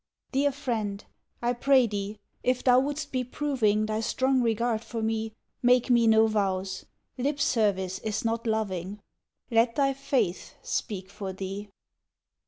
Dear friend, I pray thee, if thou wouldst be proving Thy strong regard for me, Make me no vows. Lip service is not loving; Let thy faith speak for thee.